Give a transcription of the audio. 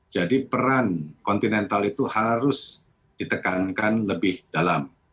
jadi peran kontinental itu harus ditekankan lebih dalam